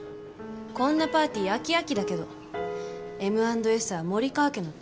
こんなパーティー飽き飽きだけどＭ＆Ｓは森川家の投資顧問なの。